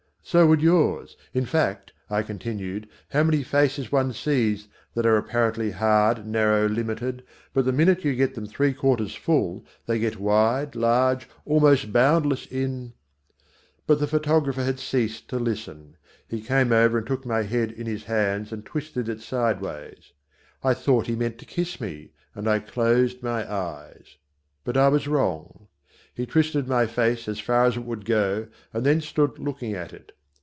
"So would yours. In fact," I continued, "how many faces one sees that are apparently hard, narrow, limited, but the minute you get them three quarters full they get wide, large, almost boundless in " But the photographer had ceased to listen. He came over and took my head in his hands and twisted it sideways. I thought he meant to kiss me, and I closed my eyes. But I was wrong. He twisted my face as far as it would go and then stood looking at it.